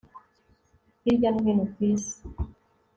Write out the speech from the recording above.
Hirya no hino ku isi